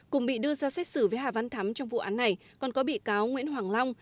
cùng bị đưa ra xét xử với hà văn thắm trong vụ án này còn có bị cáo nguyễn hoàng long